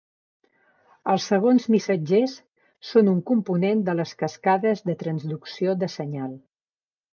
Els segons missatgers són un component de les cascades de transducció de senyal.